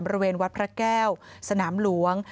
บริเวณวัดพระแก้วสนามหลวง